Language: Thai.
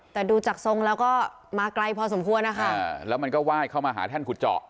แต่ดูจากทรงแล้วก็มาไกลพอสมควรนะคะแล้วมันก็ไหว้เข้ามาหาท่านขุดเจาะ